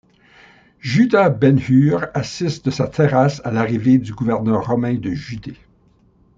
Judah Ben-Hur assiste de sa terrasse à l'arrivée du gouverneur romain de Judée.